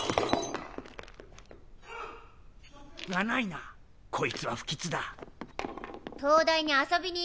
ないない。